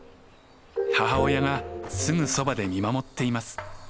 母親がすぐそばで見守っています。